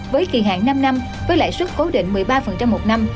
với kỳ hạn năm năm với lãi suất cố định một mươi ba một năm